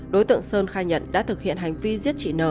đối tượng sơn khai nhận đã thực hiện hành vi giết chị nờ